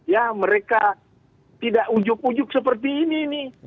ya mereka tidak ujug ujug seperti ini